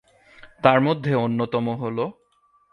তার মধ্যে অন্যতম হল-